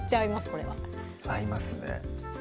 これは合いますね